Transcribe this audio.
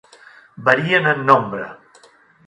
Varien en nombre.